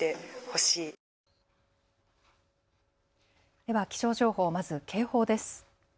では気象情報、まず警報です。